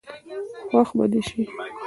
خوښ به دي شي.